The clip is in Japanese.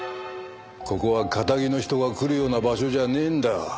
ここはカタギの人が来るような場所じゃねえんだ。